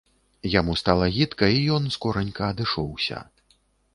Яму стала гідка, і ён скоранька адышоўся.